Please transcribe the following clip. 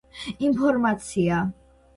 ინფორმაცია